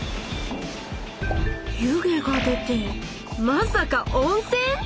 湯気が出てまさか温せん⁉